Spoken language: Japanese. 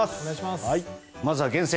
まずは、厳選！